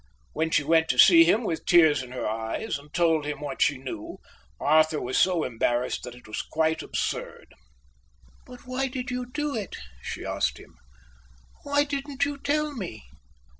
When she went to see him with tears in her eyes, and told him what she knew, Arthur was so embarrassed that it was quite absurd. "But why did you do it?" she asked him. "Why didn't you tell me?"